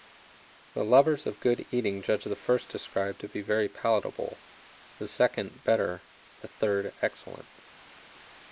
Tho lovers of good eating judge the first described to be very palatable; the second, better; the third, excellent.